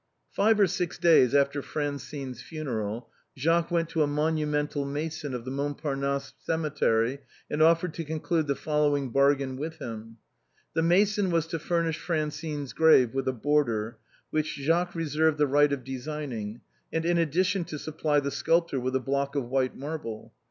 Five or six days after Francine's funeral, Jacques went to a monumental mason of the Montparnasse cemetery and offered to conclude the following bargain with him. The mason was to furnish Francine's grave with a border, which Jacques reserved the right of designing, and in addi tion to supply the sculptor with a block of white marble.